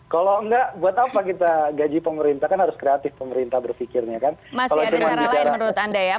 kalau nggak buat apa kita gaji pemerintah kan harus kreatif pemerintah berpikirnya kan